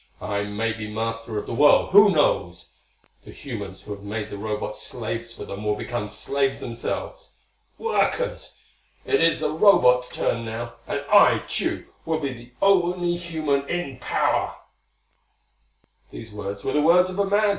I may be master of the world; who knows? The humans who have made the Robots slaves for them will become slaves themselves. Workers! It is the Robots' turn now. And I Tugh will be the only human in power!" These were the words of a madman!